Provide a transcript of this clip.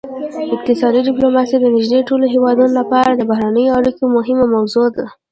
اقتصادي ډیپلوماسي د نږدې ټولو هیوادونو لپاره د بهرنیو اړیکو مهمه موضوع ده